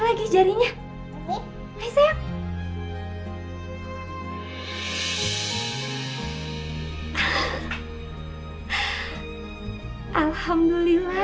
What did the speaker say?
lagi jarinya hai sayang alhamdulillah sekarang non bisa gerakin sendiri